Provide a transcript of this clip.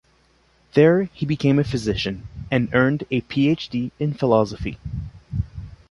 There, he became a physician, and earned a Ph.D. in philosophy.